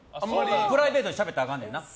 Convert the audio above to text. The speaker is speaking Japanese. プライベートしゃべったらあかんねんな。